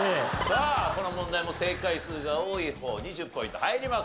この問題も正解数が多い方に１０ポイント入ります。